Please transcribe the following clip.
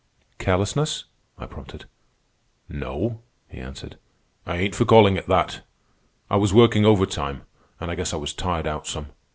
"Carelessness?" I prompted. "No," he answered, "I ain't for callin' it that. I was workin' overtime, an' I guess I was tired out some.